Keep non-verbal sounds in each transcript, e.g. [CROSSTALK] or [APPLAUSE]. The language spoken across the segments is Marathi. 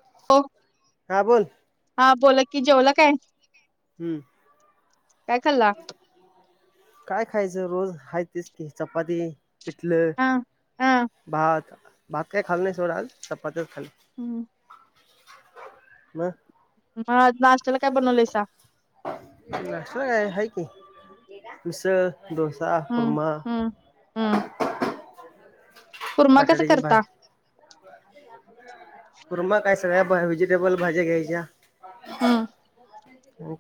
[UNINTELLIGIBLE] हा बोल हा बोला की, जेवला काय? काय खाल्ला हम्म काय खायचं रोज हाय तेच की चपाती, पिटलं. हा हा भात भात काही खाल्ला नाही सोड आज चपात्याच खाल्या. हम्म म हा नाश्त्याला काय बनवलंयसा. [UNINTELLIGIBLE] ढोसा हम्म हम्म हम्म कूर्मा कस करता. [UNINTELLIGIBLE] कुरम काय सगळ्या व्हेजिटेबल भाज्या घ्यायच्या हम्म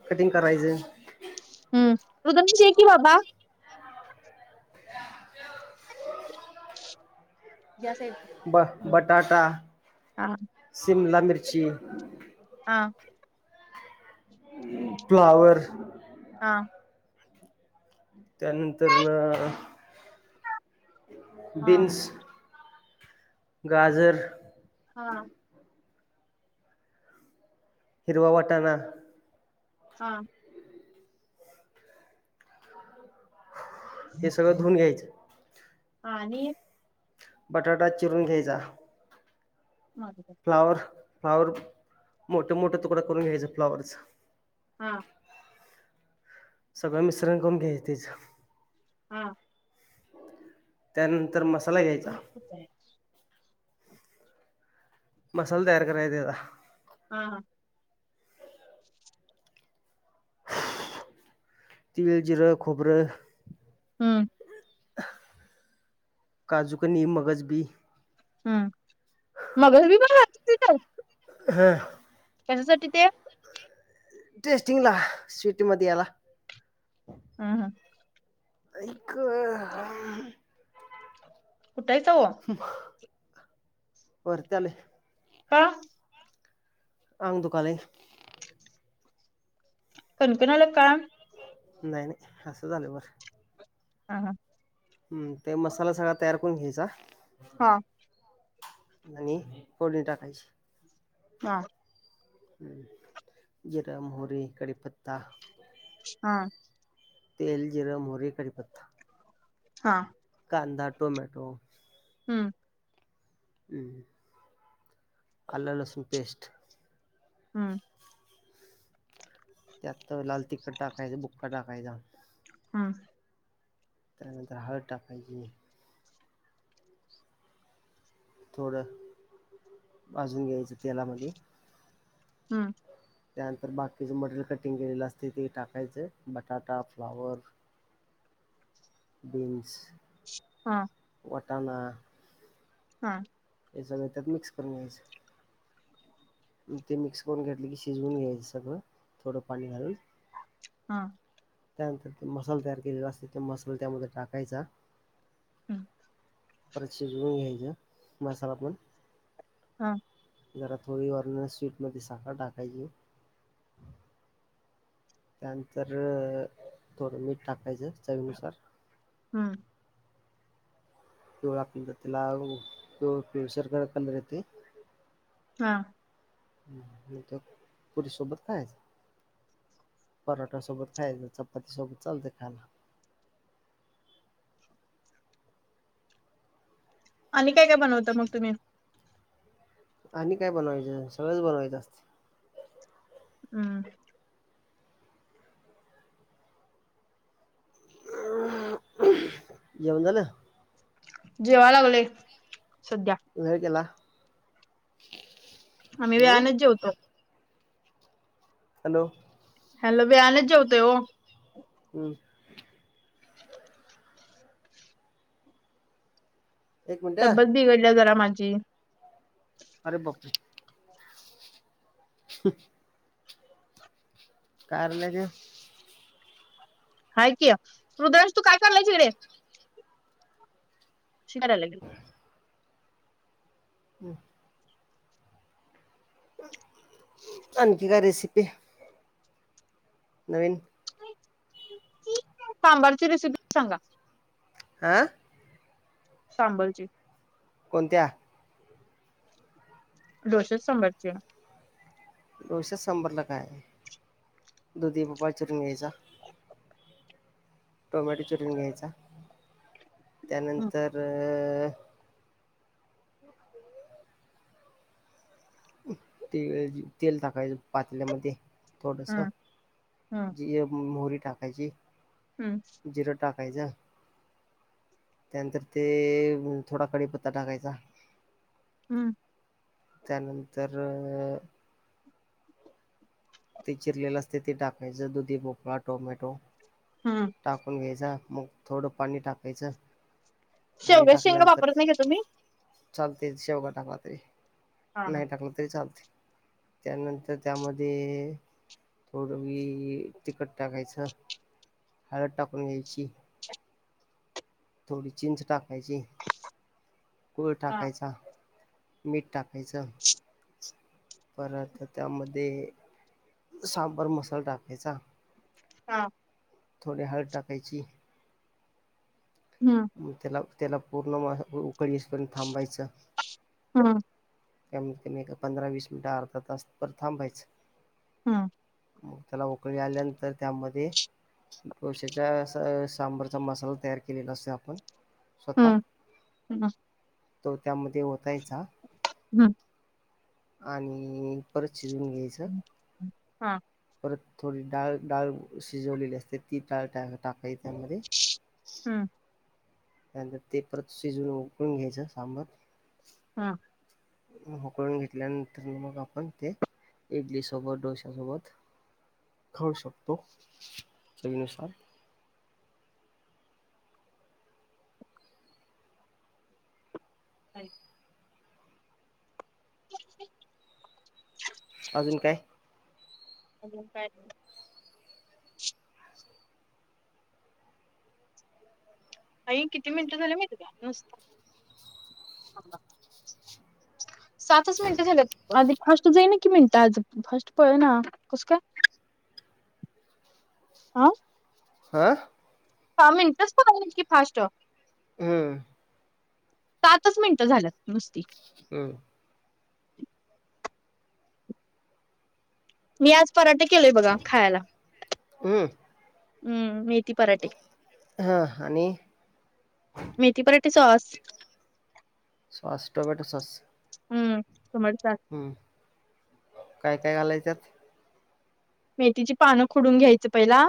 कटिंग करायचं [UNINTELLIGIBLE] या से ब बटाटा, हा शिमला मिर्ची हा फ्लावर हा त्यानंतर न हा बीन्स गाजर हा हिरवा वटाणा हा हे सगळं धुऊन घ्यायचं. हा आणि बटाटा चिरून घ्यायचा. [UNINTELLIGIBLE] फ्लावर फ्लाॉवर मोठे मोठं तुकडं करून घ्यायचं फ्लाॉवरच. हा सगळं मिश्रण करून घ्यायच तीच हा त्यानंतर मस [UNINTELLIGIBLE] मसाला तयार करायचा त्याचा. हा हा तीळ, जिरं, खोबरं हम्म काजूकनी मगज बी [INAUDIBLE] हा कशासाठी ते टेस्टिंगला स्वीटमध्येध्येला हा हा [INAUDIBLE] कुठ हायस ओ होर त्याले का आंग दुकाल आहे कणकणाला का नाही नाही असं झालं बरं हा हां हम् ते मसाला सगळा तयार करून घ्यायचा हा आणि, फोडणी टाकायची हा हम् जिरा मोहरी कडीपत्ता हा तेल जिरा मोहरी कढीपत्ता हा कांदा टोमॅटो हम्म हम् आलला लहसून पेस्ट हम्म त्यात लाल तिखट टाकायचं बुक्का टाकायचा हा त्यानंतर, हळद टाकायची थोडं भाजून घ्यायचं तेलामध्ये हम्म त्यानंतर बाकीच मटेरियल कटिंग केलेलं असते ते टाकायचं बटाटा फ्लावर बन्स हा वाटना हा त्या स त्यात मिक्स करून घ्यायचं ते मिक्स करून घेतलं की शिजवून घ्यायचं सगळं थोडं पाणी घालून हा त्यानंतर ते मसाल तयार केलेला असते ते मसाल त्यामध्ये टाकायचा हम् परच शजून घ्यायचं मसालात पण हा जरा थोडी वारण स्वीटमध्ये साखर टाकायची त्यानंतर थोडं मीठ टाकायचं चवीनुसार हम्म व आपला सरख येते हा पुरी सोबत कायच पराठासोबत खायचं चपाती सोबत चालतं खायला. आणि काय काय बनवतं मग तुम्ही? आणि काय बनवायचं सगळंच बनवायचं असतय. हम्म! जेऊण झालं? जेवायला लागलोय सध्या! वेळ केेला? आम्ही वेळानंच जेवतो. हॅलो! हॅलो वेळानं जेवतोय ओ. हम्म! एक मिनट तब्येत अरे बिघडलीया जरा माझी. अरे बापरे! [UNINTELLIGIBLE] कारल घ्या. हाय कि हृद्रयेश तू काय करलाय हिकडे? शिकाय लागेल. [UNINTELLIGIBLE] आणखी काय रेसिपी नवीन? सांबारची रेसिपी सांगा. आ! सांबरची. कोणत्या? डोसे सांबरचे. डोसे सांभरला काय दुधी भोपळा चिरून घ्यायचा. टोमॅटो चीरून घ्यायचा हं, त्यानंतर ते तेल टाकायचं पातल्यामध्ये थोडस हं, हं, जी मोहरी टाकायची. हम्म! जिर टाकायच. त्यानंतर ते थोडा कडीपत्ता टाकायचा. हम्म! त्यानंतर ते चिरलेल असतय ते टाकायचं दुधी भोपळा टोमॅटो हं. टाकून घ्यायचा मग थोडं पाणी टाकायचं. शेवग्याच्या शेंगा वापरत नाही का तुम्ही? चालतय शेवगा टाकला तरी, हां, नाही हां, टाकला तरी चालते त्यानंतर त्यामध्ये थोडं मी तिकट टाकायचं. हळद टाकून घ्यायची, थोडी चिंच टाकायची. कोळ हां, टाकायचा. मीठ टाकायचं परत त्यामध्ये सांबर मसाला टाकायचा. हा! थोडी हळद टाकायची. हम्! मग त्याला त्याला पूर्ण उकळी येस पर्यंत थांबायचं. हा! कमीत कमी एक पंधरा वीस मिनिटं अर्धा तास तर थांबायच. हा! मग त्याला वकळी आल्यानंतर त्यामध्ये. तोशच्या सांबरचा मसाला तयार केलेला असत. आपण स्वतः हं, हं, तो त्यामध्ये होतायचा. हम्. आणि परत शिजवून घ्यायचं. हं, हां, परत थोडी डाळ डाळ शिजवलेली असते ती डाळ टाकाय त्यामध्ये. हं, त्यानंतर ते परत शिजून उकळून घ्यायचं सांबर. हा. मोकळून घेतल्यानंतर मग आपण ते इडली सोबत डोश्यासोबत. शिक्खा शकतो सवीन सार. ह. अजून काय. अ का. अई किती मिनिटं झाले मी त घ्या नुसत. सातच मिनिटं झाल्यात. आधी फर्स्ट जाईना की मिनत आज फर्स्ट प ना कुस काय. [INAUDIBLE] आं. हा. का् इंटरेस्टतकी फास्ट. हम्म. पाचच मिनिटं झाल्यात नुसती. हम्. मी आज पराठे केलय बघा खायला हम्म हम् मी. थी पराठे. हा आणि [INAUDIBLE] मेथी पराठे सॉस. Sauce tomato sauce. हम्म टोमॅटो सॉस. ह काय काय घालायच्यात? मेथीची पानं खोडून घ्यायचं पहिला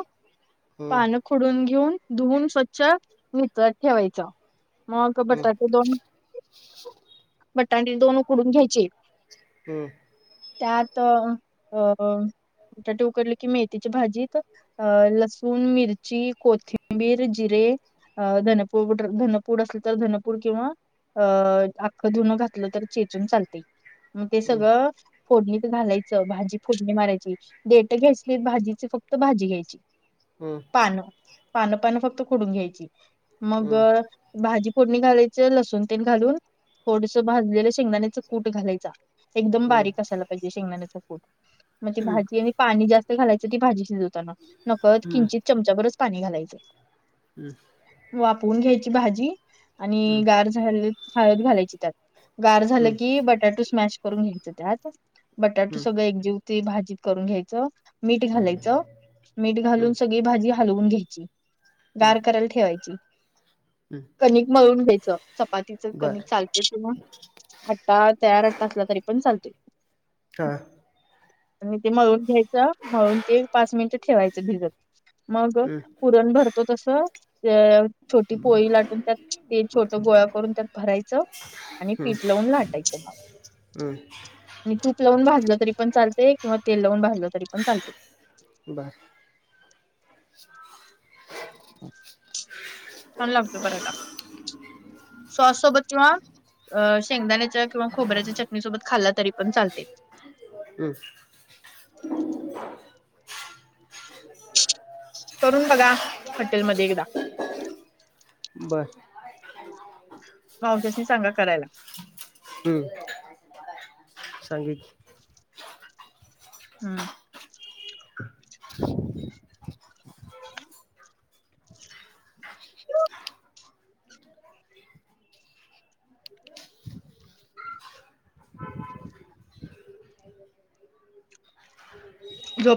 हम्म पानं. खुडून घेऊन धुवून स्वच्छ नितात ठेवायच मग हम्म बटाटे दोन. [INAUDIBLE] बटांट दोन उकडून घ्यायचे. हम्म. त्यात अं त्या उकडलं की मेथीची भाजी. अं लसूण मिरची कोथिंबीर जिरे. अ धनपूर धनपूर असले तर धनपूर किंवा. अ आख्खं धुनं घातलं तर चेचून चालते. मग ते हम्म सगळं फोडणीत घालायचं भाजी फोडणी मारायची. डेट घ्यायचली भाजीची फक्त भाजी घ्यायची. हम्. पानं पानं पानं फक्त खुडून घ्यायची मग. हम्म भाजी फोडणी घालायचं लसूण तेल घालून थोडसं भाजलेलं शेंगदाण्याचं कूट घालायचा. एकदम हम्म बारीक असायला पाहिजे शेंगदाण्याचा पूट मगजे भाजी आणि पाणी जास्त घालायचं ती भाजी शिजव. नकत हम्म किंचित चमचा बरच पाणी घालायचे. हम्. वापरून घ्यायची भाजी हम्म आणि गार झा हळत घालायची त्यात. गार हम्म हम्म झालं की बटाटो स्मॅश करून घ्यायचं त्यात बटाटो हम्म सगळं एकजीव. ते भाजीप करून घ्यायचं. मीठ घालायचं मीठ घालून हम्म हम्म सगळी भाजी हलवून घ्यायची. हम्म गार करायला ठेवायची. हम्म कनिक मळून घ्यायचं चपातीचं बर कनिक चाल. आट्टा तयार आट्टा असला तरी पण चालतोय. हां आणि ते मळून घ्यायचं, मळून ते, पाच मिनिट ठेवायचं. भिजत. मग, हम्म पुरण भरतो तसं, ते छोटी पोळी लाटून, त्यात ते छोट गोळा करून, त्यात ते भरायचं आणि पीठ लावून लाटायच. [UNINTELLIGIBLE] हम्म आणि तूप लावून भाजलं तरी पण चालतय, किंवा तेल लावून भाजलं तरी पण चालतय. [INAUDIBLE] बर. [INAUDIBLE] छान लागतो पराठा. सॉस सोबत किंवा अ शेंगदाण्याच्या किंवा खोबऱ्याच्या, चटणीसोबत खाल्ला तरी पण चालते. [UNINTELLIGIBLE] करून बघा. हॉटेलमध्ये, एकदा. बर. [UNINTELLIGIBLE] भावजसनी सांगा करायला. ह, [INAUDIBLE] सांगीन. हम्.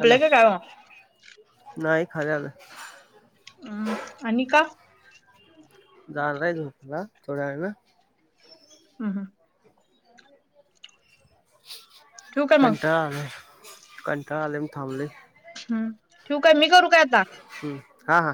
हॅलो का काय मग? नाही, खाली आलोय. हम, आणि का? जाणारय झोपाला, थोड्या वेळन. [UNINTELLIGIBLE] ठेवू काय मग कंटाळा आलाय. कंटाळा आलंय, म्हणून थांबलोय. हम्, ठेऊ काय? मी करू काय? आता. हम्. हा, हा.